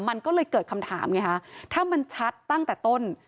มันก็เลยเกิดคำถามไงฮะถ้ามันชัดตั้งแต่ต้น